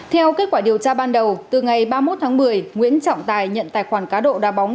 theo kết quả điều tra ban đầu từ ngày ba mươi một tháng một mươi nguyễn trọng tài nhận tài khoản cá độ đa bóng